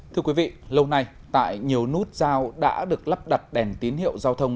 thưa quý vị lâu nay tại nhiều nút giao đã được lắp đặt đèn tín hiệu giao thông